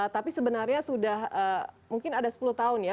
tapi sebenarnya sudah mungkin ada sepuluh tahun ya